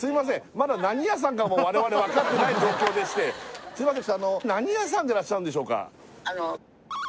まだ何屋さんかも我々分かってない状況でしてあうわみなさん